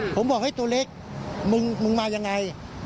ผมบอกเฮ้ยตัวเล็กมึงมายังไง